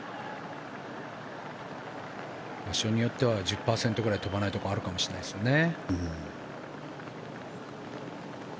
場所によっては１０％ぐらい飛ばないところがあるかもしれないですね。